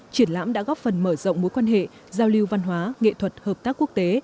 triển lãm đã góp phần mở rộng mối quan hệ giao lưu văn hóa nghệ thuật hợp tác quốc tế